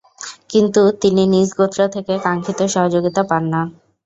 কিন্তু তিনি নিজ গোত্র থেকে কাঙ্ক্ষিত সহযোগিতা পান না।